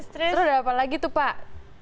terus ada apa lagi tuh pak